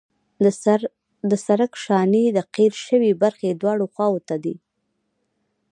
د سرک شانې د قیر شوې برخې دواړو خواو ته دي